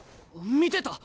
見てた！